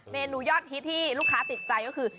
เมนูยอดฮิตที่ลูกค้าติดใจก็คือ